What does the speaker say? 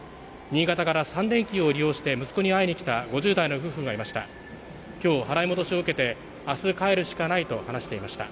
新潟から３連休を利用して息子に会いに来た５０代の夫婦がいました。